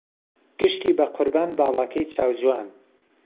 گشتی به قوربان باڵاکهی چاوجوان